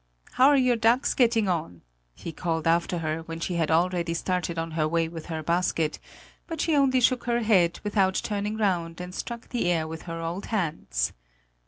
"How are your ducks getting on" he called after her, when she had already started on her way with her basket; but she only shook her head, without turning round, and struck the air with her old hands.